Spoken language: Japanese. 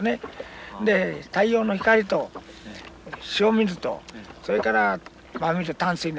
で太陽の光と塩水とそれから真水淡水ですね